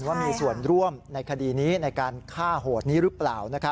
ว่ามีส่วนร่วมในคดีนี้ในการฆ่าโหดนี้หรือเปล่า